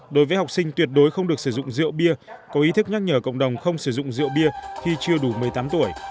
đối với học sinh tuyệt đối không được sử dụng rượu bia có ý thức nhắc nhở cộng đồng không sử dụng rượu bia khi chưa đủ một mươi tám tuổi